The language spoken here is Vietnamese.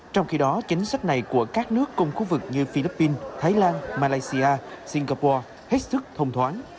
trong khi đó chính sách này của các nước cùng khu vực như philippines thái lan malaysia singapore hết sức thông thoáng